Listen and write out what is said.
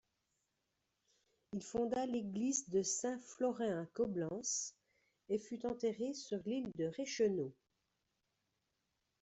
Il fonda l'église de Saint-Florin à Coblence et fut enterré sur l'île de Reichenau.